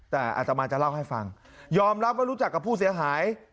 แต่อาจจะมาเล่าให้ฟังยอมรับกับผู้เสียหาย